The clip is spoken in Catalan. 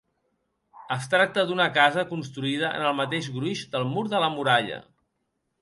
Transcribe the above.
Es tracta d'una casa construïda en el mateix gruix del mur de la muralla.